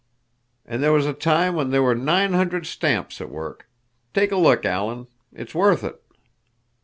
An' there was a time when there were nine hundred stamps at work. Take a look, Alan. It's worth it."